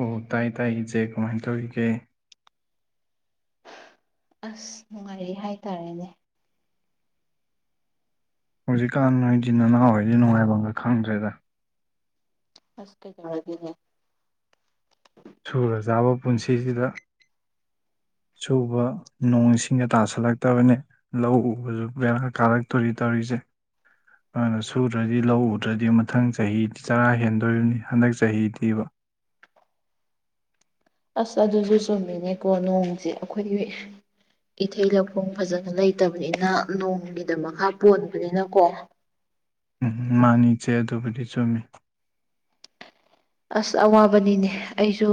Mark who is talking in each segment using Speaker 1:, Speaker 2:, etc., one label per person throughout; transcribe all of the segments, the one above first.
Speaker 1: ꯑꯣ ꯇꯥꯏ ꯇꯥꯏ ꯏꯆꯦ ꯀꯃꯥꯏ ꯇꯧꯔꯤꯒꯦ
Speaker 2: ꯑꯁ ꯅꯨꯡꯉꯥꯏꯔꯤ ꯍꯥꯏꯇꯥꯔꯦꯅꯦ
Speaker 1: ꯍꯧꯖꯤꯛꯀꯥꯟ ꯅꯣꯏꯗꯤ ꯅꯅꯥꯎ ꯍꯣꯏꯗꯤ ꯅꯨꯡꯉꯥꯏꯕꯝꯒ ꯈꯪꯗ꯭ꯔꯦꯗ
Speaker 2: ꯑꯁ ꯀꯩꯗꯧꯔꯒꯦꯅꯦ
Speaker 1: ꯁꯨꯔ ꯆꯥꯕ ꯄꯨꯟꯁꯤꯖꯤꯗ ꯁꯨꯕ ꯅꯣꯡꯁꯤꯡꯒ ꯇꯥꯁꯜꯂꯛꯇꯕꯅꯦ ꯂꯧ ꯎꯕꯖꯨ ꯕꯦꯔꯥ ꯀꯥꯔꯛꯇꯣꯔꯤ ꯇꯧꯔꯤꯖꯦ ꯑꯗꯨꯅ ꯁꯨꯗ꯭ꯔꯗꯤ ꯂꯧ ꯎꯗ꯭ꯔꯗꯤ ꯃꯊꯪ ꯆꯍꯤꯗꯤ ꯆꯔꯥ ꯍꯦꯟꯗꯣꯔꯤꯝꯅꯤ ꯍꯟꯗꯛ ꯆꯍꯤꯗꯤꯕ
Speaker 2: ꯑꯁ ꯑꯗꯨꯖꯨ ꯆꯨꯝꯃꯤꯅꯦꯀꯣ ꯅꯣꯡꯖꯦ ꯑꯈꯣꯏꯗꯤ ꯏꯊꯩ ꯂꯧꯈꯣꯡ ꯐꯖꯅ ꯂꯩꯇꯕꯅꯤꯅ ꯅꯣꯡꯒꯤꯗ ꯃꯈꯥ ꯄꯣꯟꯕꯅꯤꯅꯀꯣ
Speaker 1: ꯎꯝ ꯃꯥꯅꯤ ꯏꯆꯦ ꯑꯗꯨꯕꯨꯗꯤ ꯆꯨꯝꯃꯤ
Speaker 2: ꯑꯁ ꯑꯋꯥꯕꯅꯤꯅꯦ ꯑꯩꯁꯨ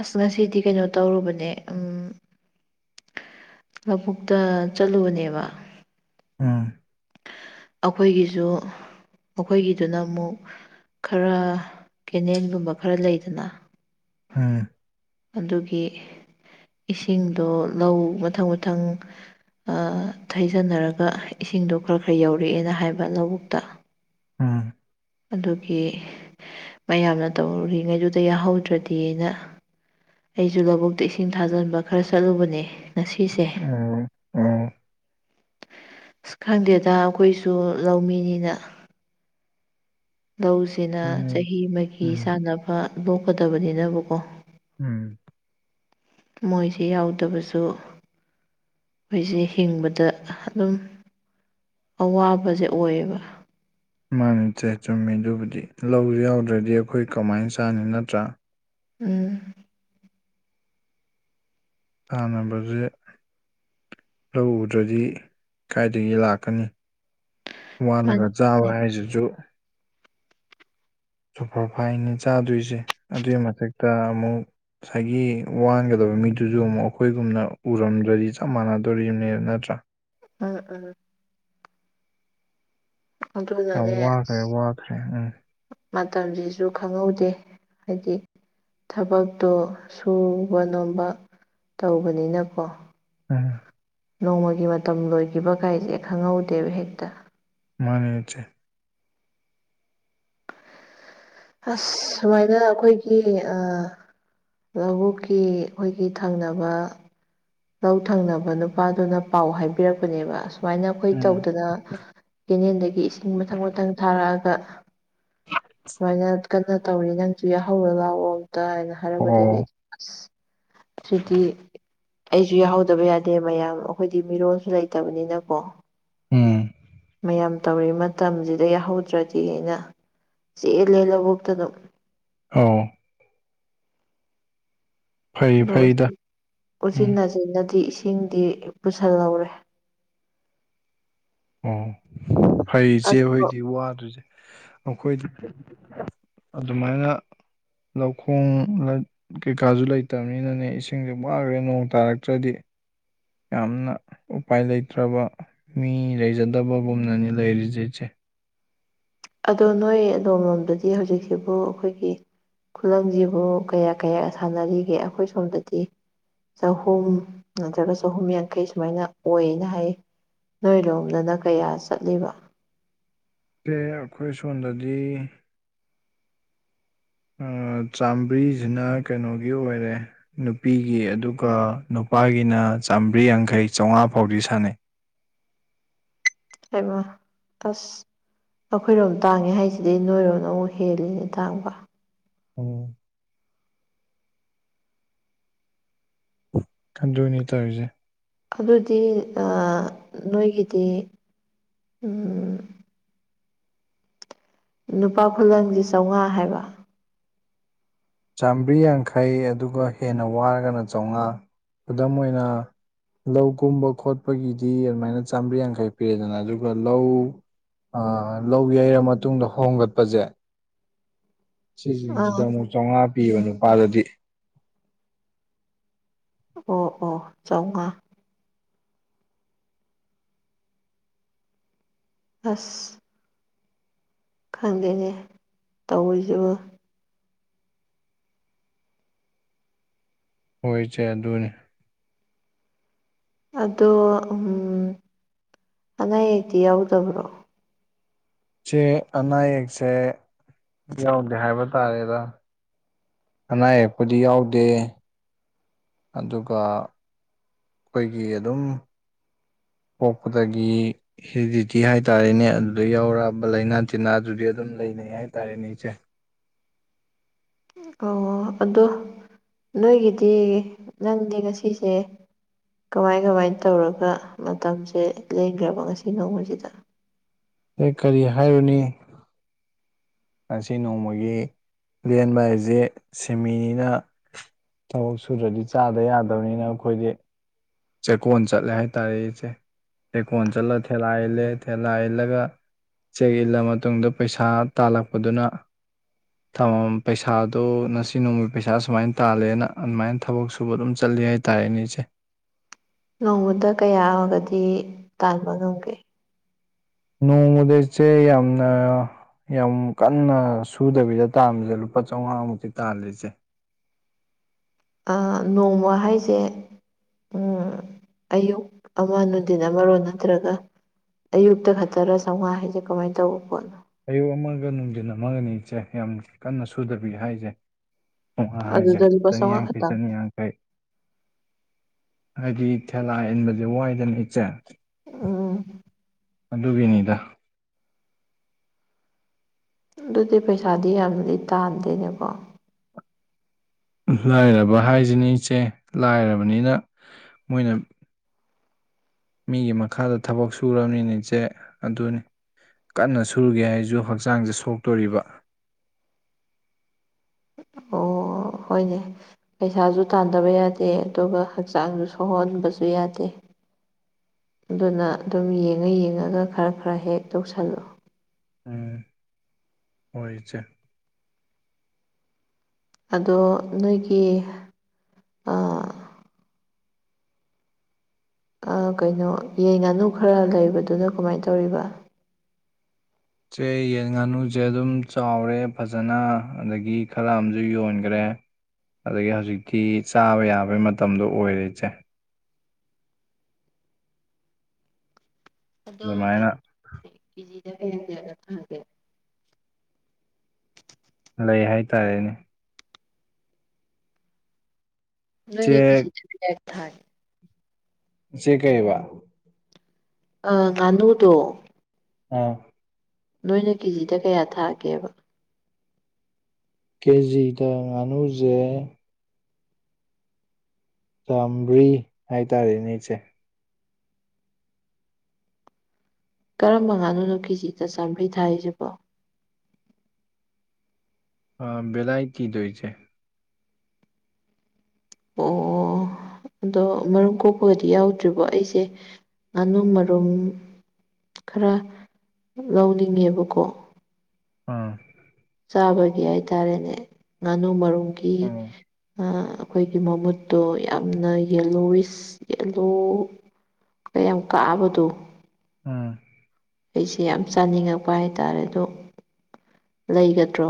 Speaker 2: ꯑꯁ ꯉꯁꯤꯗꯤ ꯀꯩꯅꯣ ꯇꯧꯔꯨꯕꯅꯦ ꯎꯝ ꯂꯧꯕꯨꯛꯇ ꯆꯠꯂꯨꯕꯅꯦꯕ
Speaker 1: ꯎꯝ
Speaker 2: ꯑꯈꯣꯏꯒꯤꯖꯨ ꯑꯈꯣꯏꯒꯤꯗꯨꯅ ꯃꯨꯛ ꯈꯔ ꯀꯦꯅꯦꯟꯒꯨꯝꯕ ꯈꯔ ꯂꯩꯗꯅ
Speaker 1: ꯎꯝ
Speaker 2: ꯑꯗꯨꯒꯤ ꯏꯁꯤꯡꯗꯣ ꯂꯧ ꯃꯊꯪ ꯃꯊꯪ ꯑ ꯊꯩꯖꯟꯅꯔꯒ ꯏꯁꯤꯡꯗꯣ ꯈꯔ ꯈꯔ ꯌꯧꯔꯛꯑꯦꯅ ꯍꯥꯏꯕ ꯂꯧꯕꯨꯛꯇ
Speaker 1: ꯎꯝ
Speaker 2: ꯑꯗꯨꯒꯤ ꯃꯌꯥꯝꯅ ꯇꯧꯔꯨꯔꯤꯉꯩꯗꯨꯗ ꯌꯥꯍꯧꯗ꯭ꯔꯗꯤ ꯅ ꯑꯩꯖꯨ ꯂꯧꯕꯨꯛꯇ ꯏꯁꯤꯡ ꯊꯥꯖꯟꯕ ꯈꯔ ꯆꯠꯂꯨꯕꯅꯦ ꯉꯁꯤꯁꯦ
Speaker 1: ꯎꯝ ꯑꯣ
Speaker 2: ꯑꯁ ꯈꯪꯗꯦꯗ ꯑꯈꯣꯏꯁꯨ ꯂꯧꯃꯤꯅꯤꯅ ꯂꯧꯁꯤꯅ
Speaker 1: ꯃꯥꯅꯤ
Speaker 2: ꯆꯍꯤ ꯃꯒꯤ
Speaker 1: ꯎꯝ
Speaker 2: ꯆꯥꯟꯅꯕ ꯂꯣꯛꯀꯗꯕꯅꯤꯅꯕꯀꯣ
Speaker 1: ꯎꯝ
Speaker 2: ꯃꯣꯏꯁꯦ ꯌꯥꯎꯗꯕꯁꯨ ꯑꯈꯣꯏꯖꯦ ꯍꯤꯡꯕꯗ ꯑꯗꯨꯝ ꯑꯋꯥꯕꯖꯦ ꯑꯣꯏꯌꯦꯕ
Speaker 1: ꯃꯥꯅꯦ ꯆꯦ ꯆꯨꯝꯃꯤ ꯑꯗꯨꯕꯨꯗꯤ ꯂꯧꯖꯦ ꯌꯥꯎꯗ꯭ꯔꯗꯤ ꯑꯈꯣꯏ ꯀꯃꯥꯏꯟ ꯆꯥꯅꯤ ꯅꯠꯇ꯭ꯔꯥ
Speaker 2: ꯎꯝ
Speaker 1: ꯍꯥꯟꯅꯕꯖꯦ ꯂꯧ ꯎꯗ꯭ꯔꯗꯤ ꯀꯥꯏꯗꯒꯤ ꯂꯥꯛꯀꯅꯤ
Speaker 2: ꯃꯥꯅꯤ
Speaker 1: ꯋꯥꯂꯒ ꯆꯥꯕ ꯍꯥꯏꯖꯤꯖꯨ ꯁꯨꯄꯔ ꯐꯥꯏꯅꯤ ꯆꯥꯗꯣꯏꯖꯦ ꯑꯗꯨꯏ ꯃꯊꯛꯇ ꯑꯃꯨꯛ ꯉꯁꯥꯏꯒꯤ ꯋꯥꯟꯒꯗꯕ ꯃꯤꯗꯨꯖꯨ ꯑꯃꯨꯛ ꯑꯈꯣꯏꯒꯨꯝꯅ ꯎꯔꯝꯗꯔꯗꯤ ꯆꯞ ꯃꯥꯟꯅꯗꯣꯔꯤꯕꯅꯦꯕ ꯅꯠꯇ꯭ꯔꯥ
Speaker 2: [unintelligible] ꯑꯗꯨꯅꯅꯦ
Speaker 1: ꯌꯥꯝ ꯋꯥꯈ꯭ꯔꯦ ꯋꯥꯈ꯭ꯔꯦ ꯎꯝ
Speaker 2: ꯃꯇꯝꯖꯤꯖꯨ ꯈꯪꯍꯧꯗꯦ ꯍꯥꯏꯗꯤ ꯊꯕꯛꯇꯣ ꯁꯨꯕ ꯅꯣꯝꯕ ꯇꯧꯕꯅꯤꯅꯀꯣ
Speaker 1: ꯎꯝ
Speaker 2: ꯅꯣꯡꯃꯒꯤ ꯃꯇꯝ ꯂꯣꯏꯈꯤꯕ ꯀꯥꯏꯖꯦ ꯈꯪꯍꯧꯗꯦꯕ ꯍꯦꯛꯇ
Speaker 1: ꯃꯥꯅꯦ ꯆꯦ
Speaker 2: ꯑꯁ ꯁꯨꯃꯥꯏꯅ ꯑꯈꯣꯏꯒꯤ ꯑ ꯂꯧꯕꯨꯛꯀꯤ ꯑꯈꯣꯏꯒꯤ ꯊꯪꯅꯕ ꯂꯧ ꯊꯪꯅꯕ ꯅꯨꯄꯥꯗꯨꯅ ꯄꯥꯎ ꯍꯥꯏꯕꯤꯔꯛꯄꯅꯦꯕ ꯁꯨꯃꯥꯏꯅ ꯑꯈꯣꯏ
Speaker 1: ꯎꯝ
Speaker 2: ꯇꯧꯗꯅ ꯀꯦꯅꯦꯟꯗꯒꯤ ꯏꯁꯤꯡ ꯃꯊꯪ ꯃꯊꯪ ꯊꯥꯔꯛꯑꯒ ꯁꯨꯃꯥꯏꯅ ꯀꯟꯅ ꯇꯧꯔꯤ ꯅꯪꯖꯨ ꯌꯥꯍꯧꯔꯣ ꯂꯥꯎꯋꯣ ꯑꯝꯇ ꯍꯥꯏꯅ ꯍꯥꯏꯔꯛ ꯕꯗꯒꯤ
Speaker 1: ꯑꯣ
Speaker 2: ꯑꯁ ꯊ꯭ꯔꯤꯗꯤ ꯑꯩꯖꯨ ꯌꯥꯎꯍꯧꯗꯕ ꯌꯥꯗꯦ ꯃꯌꯥꯝ ꯑꯈꯣꯏꯗꯤ ꯃꯤꯔꯣꯜꯁꯨ ꯂꯩꯇꯕꯅꯤꯅꯀꯣ
Speaker 1: ꯎꯝ
Speaker 2: ꯃꯌꯥꯝ ꯇꯧꯔꯤ ꯃꯇꯝꯖꯤꯗ ꯌꯥꯍꯧꯗ꯭ꯔꯗꯤ ꯅ ꯆꯦꯜꯂꯦ ꯂꯧꯕꯨꯛꯇ ꯗꯨꯝ
Speaker 1: ꯑꯧ ꯐꯩ
Speaker 2: ꯗꯣ
Speaker 1: ꯐꯩꯗ
Speaker 2: ꯎꯆꯤꯟ
Speaker 1: ꯎꯝ
Speaker 2: ꯅꯆꯤꯟꯅꯗꯤ ꯏꯁꯤꯡꯗꯤ ꯄꯨꯁꯜꯍꯧꯔꯦ꯫
Speaker 1: ꯑꯣ ꯐꯩ ꯏꯆꯦ
Speaker 2: ꯑꯗꯣ
Speaker 1: ꯍꯣꯏꯗꯤ ꯋꯥꯗ꯭ꯔꯤꯖꯦ꯫ ꯑꯈꯣꯏꯗꯤ ꯑꯗꯨꯃꯥꯏꯅ ꯂꯧꯈꯣꯡ ꯀꯩꯀꯥꯖꯨ ꯂꯩꯇꯕꯅꯤꯅꯅꯦ ꯏꯁꯤꯡꯖꯦ ꯋꯒ꯭ꯔꯦ ꯅꯣꯡ ꯇꯥꯔꯛꯇ꯭ꯔꯗꯤ꯫ ꯌꯥꯝꯅ ꯎꯄꯥꯏ ꯂꯩꯇ꯭ꯔꯕ ꯃꯤ ꯂꯩꯖꯗꯕꯒꯨꯝꯅꯅꯤ ꯂꯩꯔꯤꯖꯦ ꯏꯆꯦ꯫
Speaker 2: ꯑꯗꯣ ꯅꯣꯏ ꯑꯗꯣꯝ ꯂꯣꯝꯗꯗꯤ ꯍꯧꯖꯤꯛꯁꯤꯕꯨ ꯑꯈꯣꯏꯒꯤ ꯈꯨꯂꯪꯖꯤꯕꯨ ꯀꯌꯥ ꯀꯌꯥ ꯁꯥꯟꯅꯔꯤꯒꯦ ꯑꯈꯣꯏ ꯁꯣꯝꯗꯗꯤ ꯆꯍꯨꯝ ꯅꯠꯇ꯭ꯔꯒ ꯆꯍꯨꯝ ꯌꯥꯡꯈꯩ ꯁꯨꯃꯥꯏꯅ ꯑꯣꯏꯌꯦꯅ ꯍꯥꯏꯌꯦ꯫ ꯅꯣꯏ ꯔꯣꯝꯗꯅ ꯀꯌꯥ ꯆꯠꯂꯤꯕ?
Speaker 1: ꯆꯦ ꯑꯈꯣꯏ ꯁꯣꯟꯗꯗꯤ ꯑ ꯆꯥꯝꯕ꯭ꯔꯤꯖꯤꯅ ꯀꯩꯅꯣꯒꯤ ꯑꯣꯏꯔꯦ ꯅꯨꯄꯤꯒꯤ ꯑꯗꯨꯒ ꯅꯨꯄꯥꯒꯤꯅ ꯆꯥꯝꯕ꯭ꯔꯤ ꯌꯥꯡꯈꯩ ꯆꯧꯉꯥ ꯐꯥꯎꯗꯤ ꯁꯥꯟꯅꯩ꯫
Speaker 2: ꯍꯩꯃ ꯑꯁ ꯑꯈꯣꯏꯔꯣꯝ ꯇꯥꯡꯉꯦ ꯍꯥꯏꯁꯤꯗꯤ ꯅꯣꯏꯔꯣꯝꯅ ꯑꯃꯨꯛ ꯍꯦꯜꯂꯦꯅꯦ ꯇꯥꯡꯕ꯫
Speaker 1: ꯑꯣ ꯑꯗꯨꯅꯤ ꯇꯧꯏꯖꯦ
Speaker 2: ꯑꯗꯨꯗꯤ ꯑꯥ ꯅꯣꯏꯒꯤꯗꯤ ꯎꯝ ꯅꯨꯄꯥ ꯈꯨꯂꯪꯖꯤ ꯆꯧꯉꯥ ꯍꯥꯏꯕ
Speaker 1: ꯆꯥꯝꯕ꯭ꯔꯤ ꯌꯥꯡꯈꯩ ꯑꯗꯨꯒ ꯍꯦꯟꯅ ꯋꯥꯔꯒꯅ ꯆꯧꯉꯥ ꯈꯨꯗꯝ ꯑꯣꯏꯅ ꯂꯧ ꯀꯨꯝꯕ ꯈꯣꯠꯄꯒꯤꯗꯤ ꯑꯗꯨꯃꯥꯏꯅ ꯆꯥꯝꯃ꯭ꯔꯤ ꯌꯥꯡꯈꯩ ꯄꯤꯔꯦꯗꯅ ꯑꯗꯨꯒ ꯂꯧ ꯑꯥ ꯂꯧ ꯌꯩꯔ ꯃꯇꯨꯡꯗ ꯍꯣꯡꯒꯠꯄꯖꯦ ꯁꯤꯖꯤꯡꯖꯤꯗ
Speaker 2: ꯑꯥ
Speaker 1: ꯑꯃꯨꯛ ꯆꯧꯉꯥ ꯄꯤꯌꯦꯕ ꯅꯨꯄꯥꯗꯗꯤ꯫
Speaker 2: ꯑꯣ ꯑꯣ ꯆꯧꯉꯥ ꯍꯁ ꯈꯪꯗꯦꯅꯦ ꯇꯧꯔꯤꯖꯤꯕꯨ
Speaker 1: ꯍꯣꯏ ꯆꯦ ꯑꯗꯨꯅꯦ
Speaker 2: ꯑꯗꯣ ꯎꯝ ꯑꯅꯥ ꯑꯌꯦꯛꯇꯤ ꯌꯥꯎꯗꯕ꯭ꯔꯣ?
Speaker 1: ꯆꯦ ꯑꯅꯥ ꯑꯌꯦꯛꯁꯦ ꯌꯥꯎꯗꯦ ꯍꯥꯏꯕ ꯇꯥꯔꯦꯗ꯫ ꯑꯅꯥ ꯑꯌꯦꯛꯄꯨꯗꯤ ꯌꯥꯎꯗꯦ ꯑꯗꯨꯒ ꯈꯣꯏꯒꯤ ꯑꯗꯨꯝ ꯄꯣꯛꯄꯗꯒꯤ ꯍꯦꯔꯤꯗꯤꯇꯤ ꯍꯥꯏꯇꯥꯥꯔꯦꯅꯦ ꯑꯗꯨꯗ ꯌꯥꯎꯔꯛꯑꯕ ꯂꯩꯅꯥ ꯇꯤꯟꯅꯥꯗꯨꯗꯤ ꯑꯗꯨꯝ ꯂꯩꯅꯩ ꯍꯥꯏꯇꯥꯔꯦꯅꯦ ꯏꯆꯦ꯫
Speaker 2: ꯑꯣ ꯑꯗꯣ ꯅꯣꯏꯒꯤꯗꯤ ꯅꯪꯗꯤ ꯉꯁꯤꯁꯦ ꯀꯃꯥꯏ ꯀꯃꯥꯏ ꯇꯧꯔꯒ ꯃꯇꯝꯖꯦ ꯂꯦꯟꯒ꯭ꯔꯕ ꯉꯁꯤ ꯅꯣꯡꯃꯖꯤꯗ?
Speaker 1: ꯑꯦ ꯀꯔꯤ ꯍꯥꯏꯔꯨꯅꯤ ꯉꯁꯤ ꯅꯣꯡꯃꯥꯒꯤ ꯂꯦꯟꯕ ꯍꯥꯏꯖꯦ ꯁꯤꯟꯃꯤꯅꯤꯅ ꯊꯕꯛ ꯁꯨꯗ꯭ꯔꯗꯤ ꯆꯥꯗ ꯌꯥꯗꯕꯅꯤꯅ ꯑꯩꯈꯣꯏꯗꯤ ꯆꯦꯛꯀꯣꯟ ꯆꯠꯂꯦ ꯍꯥꯏꯇꯥꯔꯦ ꯏꯆꯦ ꯆꯦꯛꯀꯣꯟ ꯆꯠꯂ ꯊꯦꯂꯥ ꯏꯜꯂꯦ ꯊꯦꯂꯥ ꯏꯜꯂꯒ ꯆꯦꯛ ꯏꯜꯂ ꯃꯇꯨꯡꯗ ꯄꯩꯁꯥ ꯇꯥꯜꯂꯛꯄꯗꯨꯅ ꯊꯃꯝ ꯄꯩꯁꯥꯗꯣ ꯉꯁꯤ ꯅꯣꯡꯃꯩ ꯄꯩꯁꯥ ꯁꯨꯃꯥꯏ ꯇꯥꯜꯂꯦꯅ ꯑꯗꯨꯃꯥꯏꯟ ꯊꯕꯛ ꯁꯨꯕ ꯑꯗꯨꯝ ꯆꯠꯂꯤ ꯑꯩ ꯇꯥꯏꯅꯦ ꯏꯆꯦ
Speaker 2: ꯅꯣꯡꯃꯥꯗ ꯀꯌꯥꯒꯗꯤ ꯇꯥꯟꯕ ꯉꯝꯒꯦ
Speaker 1: ꯅꯣꯡꯃꯥꯗ ꯏꯆꯦ ꯌꯥꯝꯅ ꯌꯥꯝ ꯀꯟꯅ ꯁꯨꯗꯕꯤꯗ ꯇꯥꯟꯕꯗ ꯂꯨꯄꯥ ꯆꯝꯉꯥꯃꯨꯛꯇꯤ ꯇꯥꯜꯂꯦ ꯏꯆꯦ
Speaker 2: ꯑꯥ ꯅꯣꯡꯃ ꯍꯥꯏꯁꯦ ꯎꯝ ꯑꯌꯨꯛ ꯑꯃ ꯅꯨꯗꯤꯟ ꯑꯃꯔꯣ ꯅꯠꯇ꯭ꯔꯒ ꯑꯌꯨꯛꯇ ꯈꯛꯇꯔ ꯆꯝꯉꯥ ꯍꯥꯏꯁꯦ ꯀꯃꯥꯏ ꯇꯧꯕ ꯄꯣꯠꯅꯣ
Speaker 1: ꯑꯌꯨꯛ ꯑꯃꯒ ꯅꯨꯡꯗꯤꯟ ꯑꯃꯒꯅꯤ ꯏꯆꯦ ꯌꯥꯝ ꯀꯟꯅ ꯁꯨꯗꯕꯤ ꯍꯥꯏꯁꯦ ꯄꯝꯉꯥ ꯍꯥꯏꯁꯦ
Speaker 2: ꯑꯗꯨꯗ ꯂꯨꯄꯥ ꯆꯥꯝꯃꯉꯥ
Speaker 1: ꯆꯅꯤꯌꯥꯡꯈꯩ
Speaker 2: ꯈꯛꯇꯪ
Speaker 1: ꯆꯅꯤꯌꯥꯡꯈꯩ ꯍꯥꯏꯗꯤ ꯊꯦꯂꯥ ꯏꯟꯕꯁꯦ ꯋꯥꯏꯗꯅ ꯏꯆꯦ
Speaker 2: ꯑꯥ
Speaker 1: ꯑꯗꯨꯒꯤꯅꯤꯗ
Speaker 2: ꯑꯗꯨꯗꯤ ꯄꯩꯁꯥꯗꯤ ꯌꯥꯝꯅꯗꯤ ꯇꯥꯟꯗꯦꯅꯦ ꯀꯣ
Speaker 1: ꯂꯥꯏꯔꯕ ꯍꯥꯏꯁꯤꯅꯤ ꯏꯆꯦ ꯂꯥꯏꯔꯕꯅꯤꯅ ꯃꯣꯏꯅ ꯃꯤꯒꯤ ꯃꯈꯥꯗ ꯊꯕꯛ ꯁꯨꯔꯕꯅꯤꯅ ꯏꯆꯦ ꯑꯗꯨꯅꯤ ꯀꯟꯅ ꯁꯨꯒꯦ ꯍꯥꯏꯔꯁꯨ ꯍꯛꯆꯥꯡꯁꯦ ꯁꯣꯛꯇꯣꯔꯤꯕ
Speaker 2: ꯑꯣ ꯍꯣꯏꯅꯦ ꯄꯩꯁꯥꯁꯨ ꯇꯥꯟꯗꯕ ꯌꯥꯗꯦ ꯑꯗꯨꯒ ꯍꯛꯆꯥꯡꯁꯨ ꯁꯣꯛꯍꯣꯟꯕꯁꯨ ꯌꯥꯗꯦ ꯑꯗꯨꯅ ꯑꯗꯨꯝ ꯌꯦꯡꯉ ꯌꯦꯡꯉꯒ ꯈꯔ ꯈꯔ ꯍꯦꯛ ꯇꯧꯁꯜꯂꯣ
Speaker 1: ꯎꯝ ꯍꯣꯏ ꯏꯆꯦ
Speaker 2: ꯑꯗꯣ ꯅꯣꯏꯒꯤ ꯑꯥ ꯑꯥ ꯀꯩꯅꯣ ꯌꯦꯟ ꯉꯥꯅꯨ ꯈꯔ ꯂꯩꯕꯗꯨꯅ ꯀꯃꯥꯏ ꯇꯧꯔꯤꯕ
Speaker 1: ꯏꯆꯦ ꯌꯦꯟ ꯉꯥꯅꯨꯖꯦ ꯑꯗꯨꯝ ꯆꯥꯎꯔꯦ ꯐꯖꯅ ꯑꯗꯒꯤ ꯈꯔ ꯑꯝꯁꯨ ꯌꯣꯟꯈ꯭ꯔꯦ ꯑꯗꯒꯤ ꯍꯧꯖꯤꯛꯇꯤ ꯆꯥꯕ ꯌꯥꯕꯩ ꯃꯇꯝꯗꯣ ꯑꯣꯏꯔꯦ ꯏꯆꯦ
Speaker 2: ꯑꯗꯣ ꯀꯩ
Speaker 1: ꯑꯗꯨꯃꯥꯏꯅ
Speaker 2: ꯀꯦꯖꯤꯗ ꯀꯌꯥ ꯀꯌꯥꯒ ꯊꯥꯒꯦ
Speaker 1: ꯂꯩ ꯍꯥꯏꯇꯥꯔꯦꯅꯦ
Speaker 2: ꯅꯣꯏꯅ
Speaker 1: ꯏꯆꯦ
Speaker 2: ꯀꯦꯖꯤꯗ ꯀꯌꯥ ꯊꯥꯒꯦ
Speaker 1: ꯏꯆꯦ ꯀꯩꯑꯦꯕ
Speaker 2: ꯑꯥ ꯉꯥꯅꯨꯗꯣ
Speaker 1: ꯑꯥ
Speaker 2: ꯅꯣꯏꯅ ꯀꯦꯖꯤꯗ ꯀꯌꯥ ꯊꯥꯒꯦꯕ
Speaker 1: ꯀꯦꯖꯤꯗ ꯉꯥꯅꯨꯁꯦ ꯆꯥꯝꯃ꯭ꯔꯤ ꯍꯥꯏꯇꯥꯔꯦꯅꯦ ꯏꯆꯦ
Speaker 2: ꯀꯔꯝꯕ ꯉꯥꯅꯨꯅꯣ ꯀꯦꯖꯤꯗ ꯆꯥꯝꯃ꯭ꯔꯤ ꯊꯥꯔꯤꯁꯤꯕꯣ
Speaker 1: ꯑꯥ ꯕꯦꯂꯥꯏꯇꯤꯗꯣ ꯏꯆꯦ
Speaker 2: ꯑꯣ ꯑꯣ ꯑꯣ ꯑꯗꯣ ꯃꯔꯨꯝ ꯀꯣꯛꯄꯒꯗꯤ ꯌꯥꯎꯗ꯭ꯔꯤꯕꯣ ꯑꯩꯁꯦ ꯉꯥꯅꯨ ꯃꯔꯨꯝ ꯈꯔ ꯂꯧꯅꯤꯡꯉꯦꯕꯀꯣ
Speaker 1: ꯑꯥ
Speaker 2: ꯆꯥꯕꯒꯤ ꯍꯥꯏꯇꯥꯔꯦꯅꯦ ꯉꯥꯅꯨ ꯃꯔꯨꯝꯒꯤ
Speaker 1: ꯎꯝ
Speaker 2: ꯑꯥ ꯑꯩꯈꯣꯏꯒꯤ ꯃꯃꯨꯠꯇꯣ ꯌꯥꯝꯅ ꯌꯦꯂꯣꯋꯤꯁ ꯌꯦꯜꯂꯣ ꯃꯌꯥꯝ ꯀꯥꯕꯗꯣ
Speaker 1: ꯎꯝ
Speaker 2: ꯑꯩꯁꯦ ꯌꯥꯝ ꯆꯥꯅꯤꯡꯉꯛꯄ ꯍꯥꯏꯇꯥꯔꯦ ꯑꯗꯣ ꯂꯩꯒꯗ꯭ꯔꯣ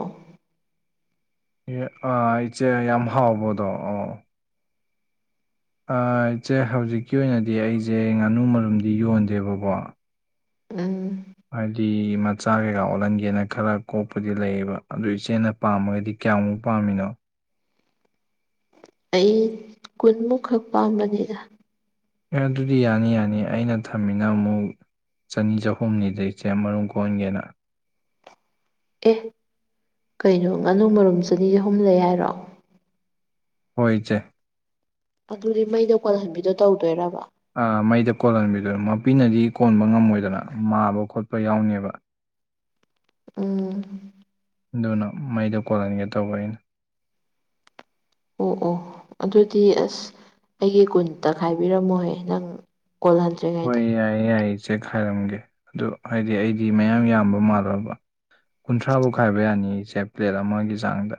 Speaker 1: ꯏꯍꯦ ꯑꯥ ꯏꯆꯦ ꯌꯥꯝ ꯍꯥꯎꯕꯗꯣ ꯑꯣ ꯑꯥ ꯏꯆꯦ ꯍꯧꯖꯤꯛꯀꯤ ꯑꯣꯏꯅꯗꯤ ꯑꯩꯖꯦ ꯉꯥꯅꯨ ꯃꯔꯨꯝꯗꯤ ꯌꯣꯟꯗꯦꯕꯀꯣ
Speaker 2: ꯎꯝ
Speaker 1: ꯍꯥꯏꯗꯤ ꯃꯆꯥ ꯀꯩꯀꯥ ꯑꯣꯜꯍꯟꯒꯦꯅ ꯈꯔ ꯀꯣꯛꯄꯗꯤ ꯂꯩꯌꯦꯕ ꯑꯗꯨ ꯏꯆꯦꯅ ꯄꯥꯝꯃꯒꯗꯤ ꯀꯌꯥꯃꯨꯛ ꯄꯥꯝꯃꯤꯅꯣ
Speaker 2: ꯑꯩ ꯀꯨꯟꯃꯨꯛꯈꯛ ꯄꯥꯝꯕꯅꯤꯗ
Speaker 1: ꯑꯦ ꯑꯗꯨꯗꯤ ꯌꯥꯅꯤ ꯌꯥꯅꯤ ꯑꯩꯅ ꯊꯝꯃꯤꯅ ꯑꯃꯨꯛ ꯆꯅꯤ ꯆꯍꯨꯝꯅꯤꯗ ꯏꯆꯦ ꯃꯔꯨꯝ ꯀꯣꯛꯍꯟꯒꯦꯅ
Speaker 2: ꯑꯦ ꯀꯩꯅꯣ ꯉꯥꯅꯨ ꯃꯔꯨꯝ ꯆꯅꯤ ꯆꯍꯨꯝ ꯂꯩ ꯍꯥꯏꯔꯣ
Speaker 1: ꯍꯣꯏ ꯏꯆꯦ
Speaker 2: ꯑꯗꯨꯗꯤ ꯃꯩꯗ ꯀꯣꯜꯍꯟꯕꯤꯗꯣ ꯇꯧꯗꯣꯏꯔꯕꯥ
Speaker 1: ꯑꯥ ꯃꯩꯗꯥ ꯀꯣꯜꯍꯟꯕꯤꯗꯣ ꯃꯄꯤꯅꯗꯤ ꯀꯣꯟꯕ ꯉꯝꯃꯣꯏꯗꯅ ꯃꯥꯕ ꯈꯣꯠꯄ ꯌꯥꯎꯅꯦꯕ
Speaker 2: ꯎꯝ
Speaker 1: ꯑꯗꯨꯅ ꯃꯩꯗꯥ ꯀꯣꯜꯍꯟꯒꯦ ꯇꯧꯕ ꯑꯩꯅ
Speaker 2: ꯑꯣ ꯑꯣ ꯑꯗꯨꯗꯤ ꯑꯁ ꯑꯩꯒꯤ ꯀꯨꯟꯇ ꯈꯥꯏꯕꯤꯔꯝꯃꯨꯍꯦ ꯅꯪ ꯀꯣꯜꯍꯟ
Speaker 1: ꯍꯣꯏ ꯌꯥꯏꯌꯦ ꯌꯥꯏꯌꯦ ꯏꯆꯦ ꯈꯥꯏꯔꯝꯒꯦ ꯑꯗꯣ ꯍꯥꯏꯗꯤ ꯑꯩꯗꯤ ꯃꯌꯥꯝ ꯌꯥꯝꯕ ꯃꯥꯜꯂꯨꯔꯕꯥ ꯀꯨꯟꯊ꯭ꯔꯥꯕꯨꯛ ꯈꯥꯏꯕ ꯌꯥꯅꯤꯌꯦ ꯏꯆꯦ ꯄ꯭ꯂꯦꯠ ꯑꯃꯒꯤ ꯆꯥꯡꯗ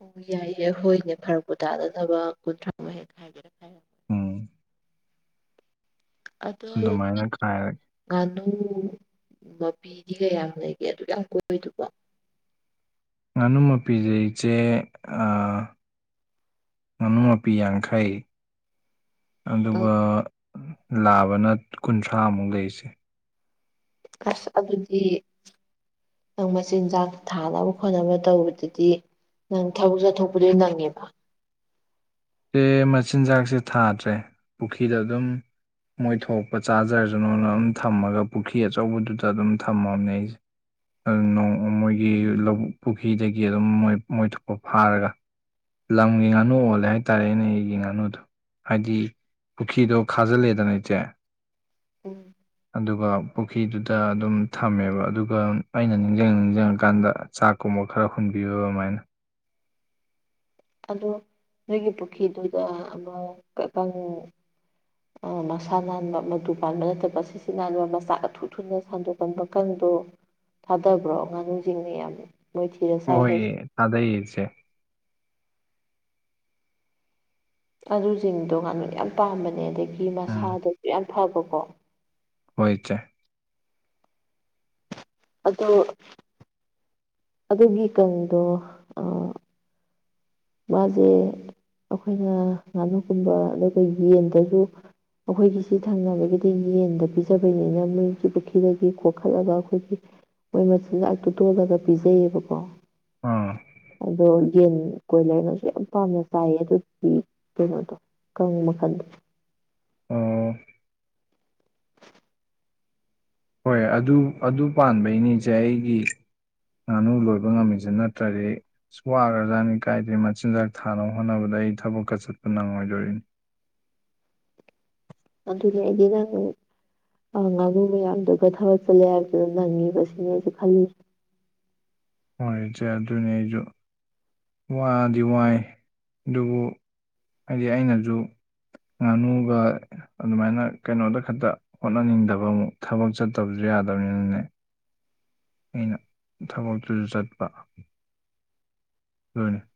Speaker 2: ꯑꯣ ꯌꯥꯏꯌꯦ ꯍꯣꯏꯅꯦ ꯐꯔꯛꯄꯨ ꯇꯥꯗꯅꯕ ꯀꯨꯟꯊ꯭ꯔꯥꯃꯨꯛ ꯍꯦꯛ ꯈꯥꯏꯔꯣ
Speaker 1: ꯎꯝ
Speaker 2: ꯑꯗꯣ
Speaker 1: ꯑꯗꯨꯃꯥꯏꯅ ꯈꯥꯏꯔꯒꯦ
Speaker 2: ꯉꯥꯅꯨ ꯃꯄꯤꯗꯤ ꯀꯌꯥꯝ ꯂꯩꯒꯦ ꯑꯗꯨꯛꯌꯥꯝ ꯀꯣꯛꯏꯗꯨꯕꯣ
Speaker 1: ꯉꯥꯅꯨ ꯃꯄꯤꯖꯦ ꯏꯆꯦ ꯑꯥ ꯉꯥꯅꯨ ꯃꯄꯤ ꯌꯥꯡꯈꯩ ꯑꯗꯨꯒ ꯂꯥꯕꯅ ꯀꯨꯟꯊ꯭ꯔꯥꯃꯨꯛ ꯂꯩ ꯏꯆꯦ
Speaker 2: ꯑꯁ ꯑꯗꯨꯗꯤ ꯅꯪ ꯃꯆꯤꯟꯖꯥꯛ ꯊꯥꯅꯕ ꯈꯣꯠꯅꯕ ꯇꯧꯕꯗꯨꯗꯤ ꯅꯪ ꯊꯕꯛ ꯆꯠꯊꯣꯛꯄꯗꯨꯗꯤ ꯅꯪꯉꯤꯕꯥ
Speaker 1: ꯑꯦ ꯃꯆꯤꯟꯖꯥꯛꯁꯦ ꯊꯥꯗ꯭ꯔꯦ ꯄꯨꯈꯤꯗ ꯑꯗꯨꯝ ꯃꯣꯏ ꯊꯣꯛꯄ ꯆꯥꯖꯔꯖꯅꯣꯅ ꯑꯗꯨꯝ ꯊꯝꯃꯒ ꯄꯨꯈ꯭ꯔꯤ ꯑꯆꯧꯕꯗꯨꯗ ꯑꯗꯨꯝ ꯊꯝꯃꯕꯅꯦ ꯑꯩꯖꯦ ꯎꯝ ꯅꯣꯡ ꯃꯣꯏꯒꯤ ꯂꯧ ꯄꯨꯈꯤꯗꯒꯤ ꯑꯗꯨꯝ ꯃꯣꯏ ꯃꯣꯏ ꯊꯣꯛꯄ ꯐꯥꯔꯒ ꯂꯝꯒꯤ ꯉꯥꯅꯨ ꯑꯣꯜꯂꯦ ꯍꯥꯏ ꯇꯥꯔꯦꯅꯦ ꯑꯩꯒꯤ ꯉꯥꯅꯨꯗꯣ ꯍꯥꯏꯗꯤ ꯄꯨꯈꯤꯗꯣ ꯈꯥꯖꯤꯜꯂꯦꯗꯅ ꯏꯆꯦ
Speaker 2: ꯎꯝ
Speaker 1: ꯑꯗꯨꯒ ꯄꯨꯈꯤꯗꯨꯗ ꯑꯗꯨꯝ ꯊꯝꯃꯦꯕ ꯑꯗꯨꯒ ꯑꯩꯅ ꯅꯤꯡꯖꯤꯡꯉ ꯅꯤꯡꯖꯤꯡꯉꯀꯥꯟꯗ ꯆꯥꯛꯀꯨꯝꯕ ꯈꯔ ꯍꯨꯟꯕꯤꯕ ꯑꯃꯥꯏꯅ
Speaker 2: ꯑꯗꯣ ꯅꯣꯏꯒꯤ ꯄꯨꯈꯤꯗꯨꯗ ꯑꯃ ꯀ ꯀꯪ ꯑ ꯃꯁꯥ ꯅꯥꯟꯕ ꯃꯇꯨ ꯄꯥꯟꯕ ꯅꯠꯇꯕ ꯁꯤꯁꯤꯠ ꯅꯥꯟꯕ ꯃꯆꯥꯀ ꯊꯨ ꯊꯨꯅ ꯁꯟꯗꯣꯛꯀꯟꯕ ꯀꯡꯗꯣ ꯊꯥꯗꯕ꯭ꯔꯣ ꯉꯥꯅꯨꯖꯤꯡꯅ ꯌꯥꯝ ꯃꯣꯏꯗꯤ
Speaker 1: ꯍꯣꯏꯌꯦ ꯊꯥꯗꯩꯌꯦ ꯏꯆꯦ
Speaker 2: ꯑꯗꯨꯁꯤꯡꯗꯣ ꯉꯅꯨꯅ ꯌꯥꯝ ꯄꯥꯝꯕꯅꯦ ꯑꯗꯒꯤ
Speaker 1: ꯎꯝ
Speaker 2: ꯃꯁꯥꯗꯖꯨ ꯌꯥꯝ ꯐꯕꯀꯣ
Speaker 1: ꯍꯣꯏ ꯏꯆꯦ
Speaker 2: ꯑꯗꯨ ꯑꯗꯨꯒꯤ ꯀꯥꯡꯗꯣ ꯑꯥ ꯃꯥꯖꯦ ꯑꯈꯣꯏꯅ ꯉꯥꯅꯨꯒꯨꯝꯕ ꯑꯗꯨꯒ ꯌꯦꯟꯗꯒꯤ ꯑꯈꯣꯏꯒꯤꯁꯤ ꯊꯪꯅꯕꯒꯤꯗꯤ ꯌꯦꯟꯗ ꯄꯤꯖꯕꯩꯅꯤꯅ ꯃꯣꯏꯒꯤ ꯄꯨꯈꯤꯗꯒꯤ ꯀꯣꯈꯠꯂꯒ ꯑꯈꯣꯏꯒꯤ ꯃꯣꯏ ꯃꯆꯤꯟꯖꯥꯛꯇꯨ ꯇꯣꯜꯂꯒ ꯄꯤꯖꯩꯌꯦꯕꯀꯣ
Speaker 1: ꯑꯥ
Speaker 2: ꯑꯗꯣ ꯌꯦꯟ ꯀꯣꯏꯂꯔꯅꯁꯨ ꯌꯥꯝ ꯄꯥꯝꯅ ꯆꯥꯏꯌꯦ ꯑꯗꯨꯒꯤ ꯀꯩꯅꯣꯗꯣ ꯀꯪ ꯃꯈꯟꯗꯣ
Speaker 1: ꯑꯣ ꯍꯣꯏ ꯑꯗꯨ ꯑꯗꯨ ꯄꯥꯟꯕꯩꯅꯤ ꯏꯆꯦ ꯑꯩꯒꯤ ꯉꯥꯅꯨ ꯂꯣꯏꯕ ꯉꯝꯃꯤꯖꯦ ꯅꯠꯇ꯭ꯔꯗꯤ ꯑꯁ ꯋꯥꯒꯔꯖꯥꯠꯅꯤ ꯀꯥꯏꯗꯩ ꯃꯆꯤꯟꯖꯥꯛ ꯊꯥꯅꯕ ꯍꯣꯠꯅꯕꯗ ꯑꯩ ꯊꯕꯛꯀ ꯆꯠꯄ ꯅꯪꯉꯣꯏꯗꯣꯏꯅꯤ
Speaker 2: ꯑꯗꯨꯅꯦ ꯑꯩꯗꯤ ꯅꯪ ꯑꯥ ꯉꯥꯅꯨ ꯃꯌꯥꯝꯗꯨꯒ ꯊꯥꯕꯛ ꯆꯠꯂꯦ ꯍꯥꯏꯕꯗꯨꯗ ꯅꯪꯉꯤꯕ ꯁꯤꯅꯦ ꯑꯩꯖꯨ ꯈꯜꯂꯤꯖ
Speaker 1: ꯍꯣꯏ ꯏꯆꯦ ꯑꯗꯨꯅꯦ ꯑꯩꯖꯨ ꯋꯥꯗꯤ ꯋꯥꯏ ꯑꯗꯨꯕꯨ ꯑꯩꯗꯤ ꯑꯩꯅꯖꯨ ꯉꯥꯅꯨꯒ ꯑꯗꯨꯃꯥꯏꯅ ꯀꯩꯅꯣꯗ ꯈꯛꯇ ꯍꯣꯠꯅꯅꯤꯡꯗꯕ ꯑꯃꯨꯛ ꯊꯕꯛ ꯆꯠꯇꯕꯖꯨ ꯌꯥꯗꯕꯅꯤꯅꯅꯦ ꯑꯩꯅ ꯊꯕꯛꯇꯨꯖꯨ ꯆꯠꯄ ꯂꯣꯢꯅ